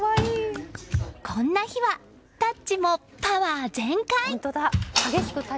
こんな日は、タッチもパワー全開。